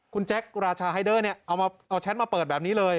คุณแจ็คราชาไฮเดอร์เนี่ยเอาแชทมาเปิดแบบนี้เลย